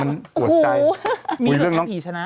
มีคนป่าวผีชนะ